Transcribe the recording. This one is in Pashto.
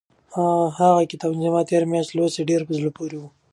هغه کتاب چې ما تېره میاشت ولوست ډېر په زړه پورې و.